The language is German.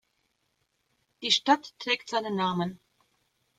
Die Stadt trägt seinen Namen.